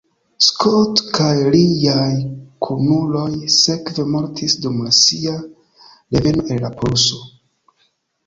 Scott kaj liaj kunuloj sekve mortis dum sia reveno el la poluso.